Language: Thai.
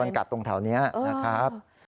มันกัดตรงแถวนี้นะครับ